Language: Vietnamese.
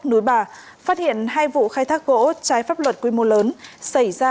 núi bà phát hiện hai vụ khai thác gỗ trái pháp luật quy mô lớn xảy ra